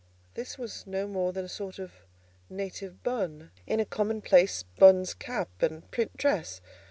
This was no more than a sort of native bonne, in a common place bonne's cap and print dress.